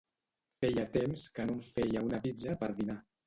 Feia temps que no em feia una pizza per dinar